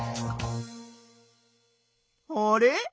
あれ？